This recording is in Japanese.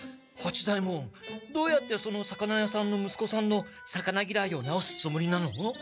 八左ヱ門どうやってその魚屋さんの息子さんの魚ぎらいをなおすつもりなの？